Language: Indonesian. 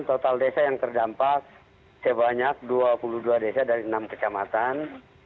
total desa yang terdampak sebanyak dua puluh dua desa dari enam kecamatan